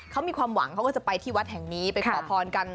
เขามีความหวังเขาก็จะไปที่วัดแห่งนี้ไปขอพรกัน